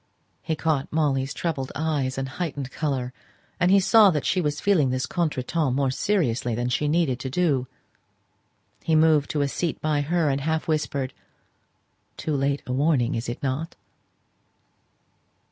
He caught Molly's troubled eyes and heightened colour, and he saw that she was feeling this contretemps more seriously than she needed to do. He moved to a seat by her, and half whispered, "Too late a warning, is it not?"